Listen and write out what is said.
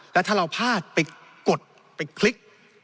แล้วถ้าเราพลาดไปกดไปคลิก